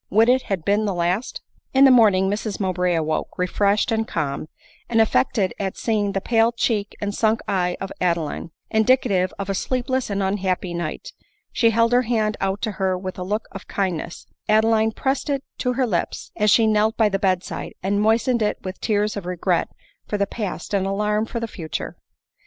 Would it had been the last! In the morning Mrs Mowbray awoke, refreshed and calm ; and affected at seeing the pale cheek and sunk eye of Adeline, indicative of a sleepless and unhappy night, she held her hand out to her with a look of kind ness ; Adeline pressed it to her lips, as she knelt by the bed side, and moistened it with tears of regret for the past and alarm for the future.